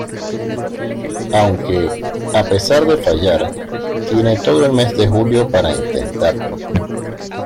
Aunque, a pesar de fallar, tiene todo el mes de julio para intentarlo.